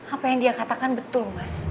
apa yang dia katakan betul mas